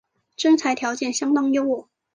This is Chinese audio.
征才条件相当优渥